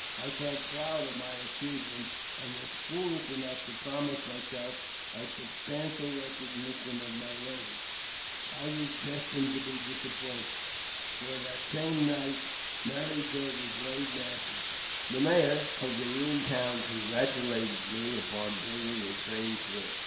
I felt proud of my achieve ment, and was foolish enough to promise myself a substantial recognition of my labours. I was destined to disappointment, for that same night Marysville was laid in ashes. The mayor of the ruined town congratulated me upon bringing a train through.